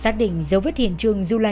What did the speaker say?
xác định giấu vết hiện trường du lịch